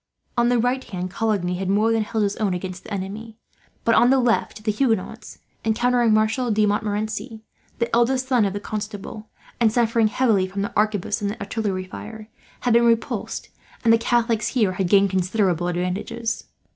On the right, Coligny had more than held his own against the enemy; but on the left the Huguenots, encountering Marshal de Montmorency, the eldest son of the Constable, and suffering heavily from the arquebus and artillery fire, had been repulsed; and the Catholics here had gained considerable advantages.